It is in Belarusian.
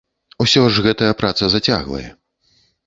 Усё ж гэтая праца зацягвае.